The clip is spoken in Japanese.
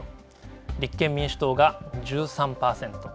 立憲民主党が１３％。